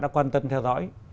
đã quan tâm theo dõi